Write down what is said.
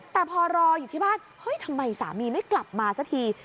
แต่พอรออยู่ที่บ้านเฮ้ยทำไมสามีไม่กลับมาสักที